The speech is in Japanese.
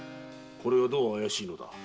これがどう怪しいのだ？